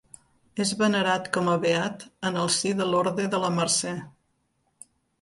És venerat com a beat en el si de l'Orde de la Mercè.